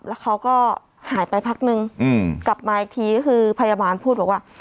แล้วเขาก็หายไปพักนึงกลับมาอีกทีก็คือพยาบาลพูดบอกว่า